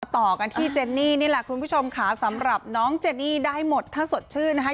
ต่อกันที่เจนนี่นี่แหละคุณผู้ชมค่ะสำหรับน้องเจนี่ได้หมดถ้าสดชื่นนะคะ